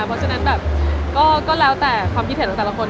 เพราะฉะนั้นแบบก็แล้วแต่ความคิดเห็นของแต่ละคน